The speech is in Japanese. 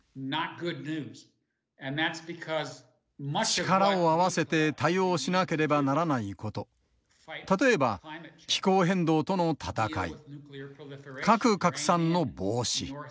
力を合わせて対応しなければならないこと例えば気候変動との闘い核拡散の防止